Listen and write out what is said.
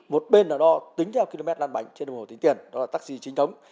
một bên là đo tính theo km đan bảnh trên đồng hồ tính tiền đó là taxi chính thống